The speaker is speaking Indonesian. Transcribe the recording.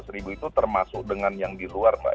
seratus ribu itu termasuk dengan yang di luar mbak